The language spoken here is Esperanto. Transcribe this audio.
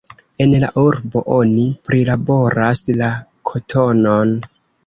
En la urbo oni prilaboras la kotonon.